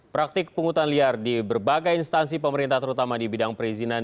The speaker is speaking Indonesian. praktik pungutan liar di berbagai instansi pemerintah terutama di bidang perizinan